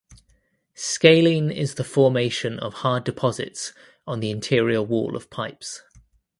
Scaling is the formation of hard deposits on the interior wall of pipes.